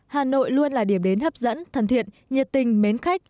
hà nội luôn là điểm đến hấp dẫn thân thiện nhiệt tình mến khách